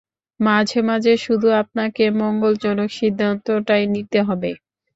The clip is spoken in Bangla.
মাঝেমাঝে শুধু আপনাকে মঙ্গলজনক সিদ্ধান্তটাই নিতে হবে।